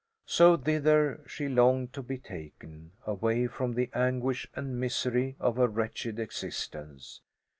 So thither she longed to be taken away from the anguish and misery of her wretched existence.